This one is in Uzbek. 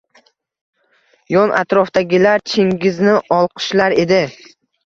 Yon atrofdagilar Chingizni olqishlar edi.